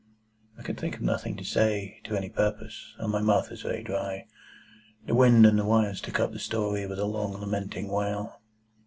I could think of nothing to say, to any purpose, and my mouth was very dry. The wind and the wires took up the story with a long lamenting wail.